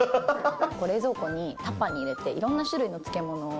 冷蔵庫にタッパーに入れて、いろんな種類の漬物を。